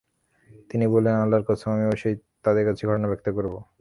তিনি বললেন: আল্লাহর কসম! আমি অবশ্যই তাদের কাছে এ ঘটনা ব্যক্ত করব।